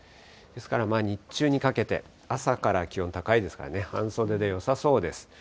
ですから日中にかけて、朝から気温高いですからね、半袖でよさそうです。